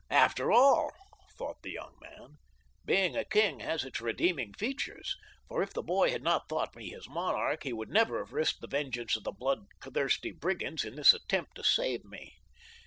After all," thought the young man, "being a kind has its redeeming features, for if the boy had not thought me his monarch he would never have risked the vengeance of the bloodthirsty brigands in this attempt to save me."